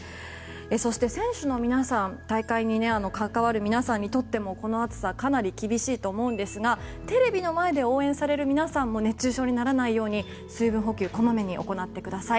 そして、選手の皆さん大会に関わる皆さんにとってもこの暑さ、かなり厳しいと思うんですがテレビの前で応援される皆さんも熱中症にならないように水分補給小まめに行ってください。